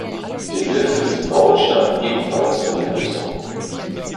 Die Entwürfe für diesen Bau stammten ebenfalls von Mendelsohn.